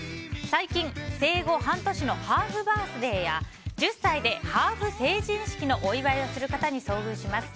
最近、生後半年のハーフバースデーや１０歳でハーフ成人式のお祝いをする方に遭遇します。